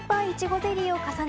ゼリーを重ね